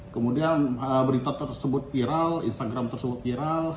kemudian berita tersebut viral instagram tersebut viral